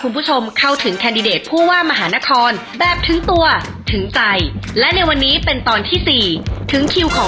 พี่เอ๊สสวัสดีค่ะ